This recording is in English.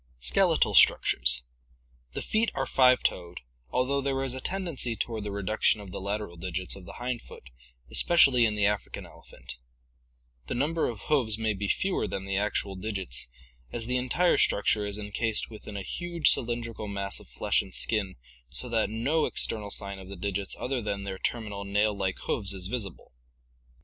Skeletal Structures.— The feet are five toed, although there is a tendency toward the reduction of the lateral digits of the hind foot, especially in the African elephant. The number of hoofs may be fewer than the actual digits, as the entire structure is en cased within a huge cylindrical mass of flesh and skin so that no external sign of the digits other than their terminal nail like hoofs is visible.